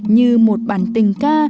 như một bản tình ca